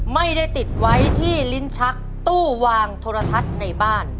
ไม่ได้ติดไว้ที่ลิ้นชักตู้วางโทรทัศน์ในบ้าน